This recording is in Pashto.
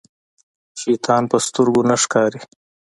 شيطان په سترګو نه ښکاري.